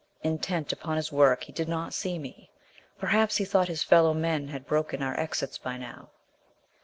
Intent upon his work, he did not see me. Perhaps he thought his fellow men had broken our exits by now.